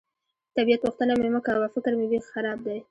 د طبیعت پوښتنه مې مه کوه، فکر مې بېخي خراب دی.